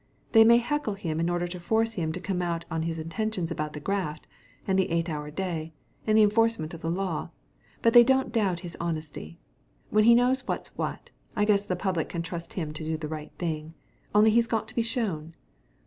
They may heckle him in order to force him to come out on his intentions about the graft, and the eight hour day, and the enforcement of the law, but they don't doubt his honesty. When he know's what's what, I guess the public can trust him to do the right thing. Only he's got to be shown."